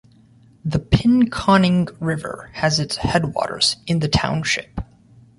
The Pinconning River has its headwaters in the township.